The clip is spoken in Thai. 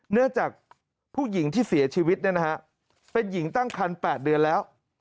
เนื่องจากผู้หญิงที่เสียชีวิตเป็นหญิงตั้งคัน๘เดือนแล้ว